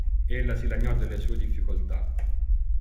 Ella si lagnò delle sue difficoltà.